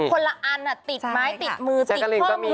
คนละอันอ่ะติดไม้ติดมือติดข้อมูลไว้